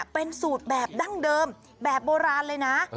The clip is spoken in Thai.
เป็นสูตรแบบดั้งเดิมแบบโบราณเลยนะ